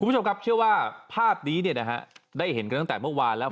คุณผู้ชมครับเชื่อว่าภาพนี้เนี่ยนะฮะได้เห็นกันตั้งแต่เมื่อวานแล้ว